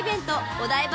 お台場